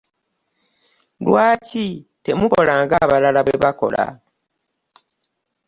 Lwaki temukola nga abalala bwe bakola?